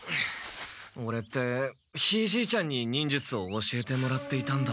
オレってひいじいちゃんに忍術を教えてもらっていたんだ。